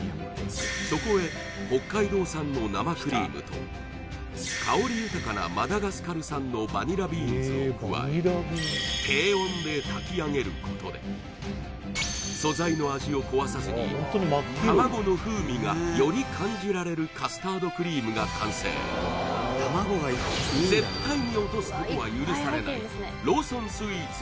そこへ北海道産の生クリームと香り豊かなマダガスカル産のバニラビーンズを加え低温で炊き上げることで素材の味を壊さずに卵の風味がより感じられるカスタードクリームが完成絶対に落とすことは許されないローソンスイーツ